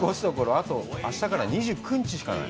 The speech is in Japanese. あと、あしたから２９日しかない。